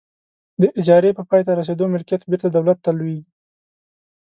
د اجارې په پای ته رسیدو ملکیت بیرته دولت ته لویږي.